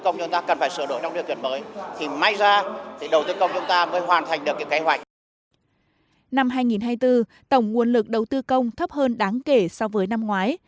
năm hai nghìn hai mươi bốn tổng nguồn lực đầu tư công thấp hơn đáng kể so với năm ngoái